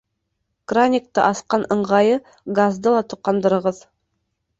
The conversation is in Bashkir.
Краникты асҡан ыңғайы газды ла тоҡандырығыҙ